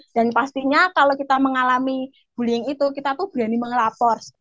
dan pastinya kalau kita mengalami bullying itu kita berani mengelapor